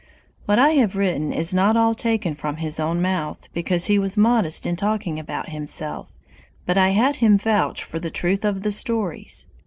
What I have written is not all taken from his own mouth, because he was modest in talking about himself, but I had him vouch for the truth of the stories.